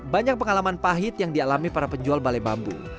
banyak pengalaman pahit yang dialami para penjual balai bambu